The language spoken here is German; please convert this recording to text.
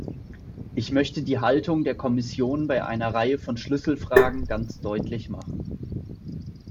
Ich möchte die Haltung der Kommission bei einer Reihe von Schlüsselfragen ganz deutlich machen.